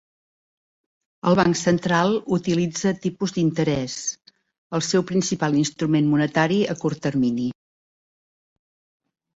El banc central utilitza tipus d'interès, el seu principal instrument monetari a curt termini.